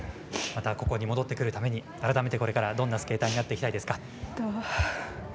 また、ここに戻ってくるために改めて、これからどんなスケーターになっていきたいですか？